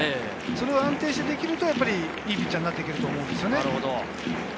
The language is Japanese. それを安定してできると、いいピッチャーになっていけると思うんですね。